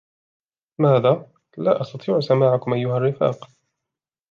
ماذا؟ لا أستطيع سماعكم أيها الرفاق.